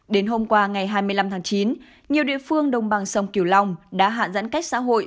đến hôm qua ngày hai mươi năm tháng chín nhiều địa phương đồng bằng sông kiều long đã hạ giãn cách xã hội